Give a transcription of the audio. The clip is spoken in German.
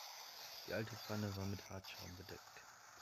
Die alte Pfanne war mit Hartschaum bedeckt.